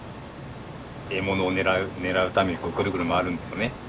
獲物を狙うためにぐるぐる回るんですね。